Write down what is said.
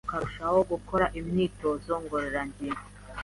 mukarushaho gukora imyitozo ngororangingo.